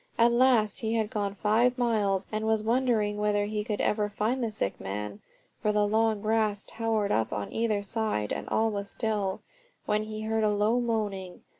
At last he had gone five miles, and was wondering whether he could ever find the sick man (for the long grass towered up on either side and all was still), when he heard a low moaning.